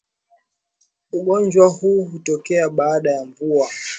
Ugonjwa huu hutokea baada ya mvua